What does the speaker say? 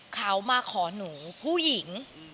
เขามาขอหนูผู้หญิง